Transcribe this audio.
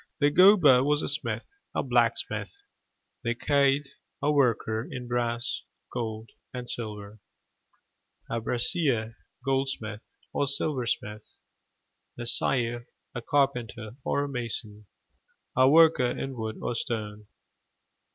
The gobha was a smith a blacksmith; the caird, a worker in brass, gold, and silver a brasier, goldsmith, or silversmith; the saer, a carpenter or a mason a worker in wood or stone.